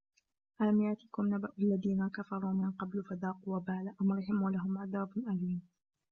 ألم يأتكم نبأ الذين كفروا من قبل فذاقوا وبال أمرهم ولهم عذاب أليم